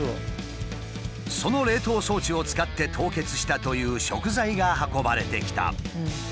その冷凍装置を使って凍結したという食材が運ばれてきた。